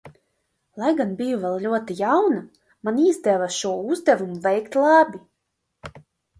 Lai gan biju vēl ļoti jauna, man izdevās šo uzdevumu veikt labi.